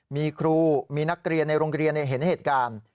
มีครูมีนักเรียนในโรงเรียนเห็นเหตุการณ์